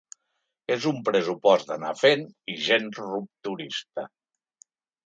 És un pressupost d’anar fent i gens rupturista.